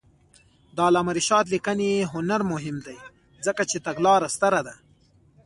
د علامه رشاد لیکنی هنر مهم دی ځکه چې تګلاره ستره ده.